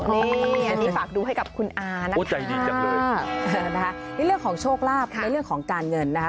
นี่ฝากดูให้กับคุณอานะคะในเรื่องของโชคลาภในเรื่องของการเงินนะฮะ